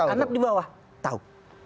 anak di bawah tahu